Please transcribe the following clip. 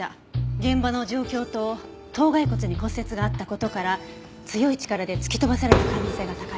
現場の状況と頭蓋骨に骨折があった事から強い力で突き飛ばされた可能性が高い。